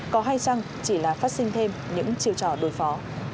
có hay rằng chỉ là phát sinh thêm những chiều trò đối phó